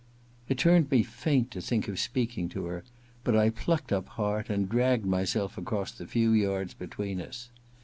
It turned me faint to think of speaking to her ; but I plucked up heart and dragged my self across the few yards between us.